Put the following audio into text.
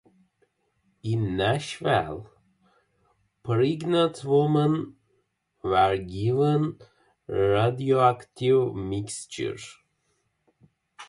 In Nashville, pregnant women were given radioactive mixtures.